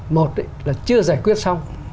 một là chưa giải quyết xong